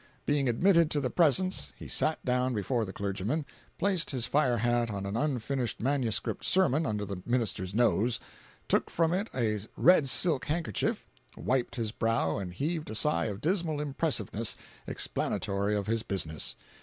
Being admitted to the presence he sat down before the clergyman, placed his fire hat on an unfinished manuscript sermon under the minister's nose, took from it a red silk handkerchief, wiped his brow and heaved a sigh of dismal impressiveness, explanatory of his business.